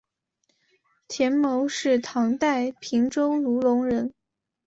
田牟是唐代平州卢龙人。